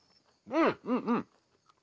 うんうん。